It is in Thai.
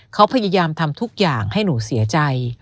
เขาพยายามทำทุกอย่างให้หนูเสียใจ